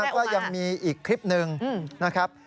แล้วก็ยังมีอีกคลิปหนึ่งนะครับ